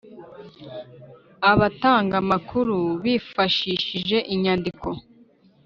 Abatanga amakuru bifashishije inyandiko